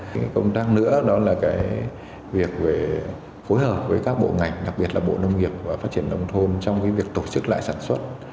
cái công tác nữa đó là cái việc về phối hợp với các bộ ngành đặc biệt là bộ nông nghiệp và phát triển nông thôn trong cái việc tổ chức lại sản xuất